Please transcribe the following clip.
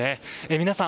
皆さん